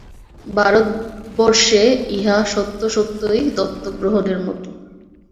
ভারতবর্ষে ইহা সত্যসত্যই দত্তক গ্রহণের মত।